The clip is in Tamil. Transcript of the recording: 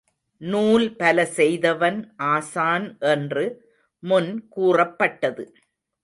நூல்பல செய்தவன் ஆசான் என்று முன் கூறப்பட்டது.